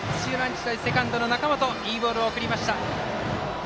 日大、セカンドの中本いいボールを送りました。